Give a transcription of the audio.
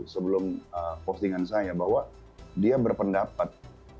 sebelum postingan saya bahwa dia berpendapat